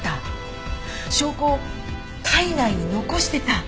証拠を体内に残してた！